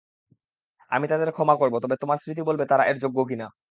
আমি তাদের ক্ষমা করব, তবে তোমার স্মৃতি বলবে তারা এর যোগ্য কিনা।